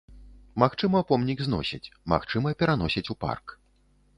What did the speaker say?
Магчыма, помнік зносяць, магчыма, пераносяць у парк.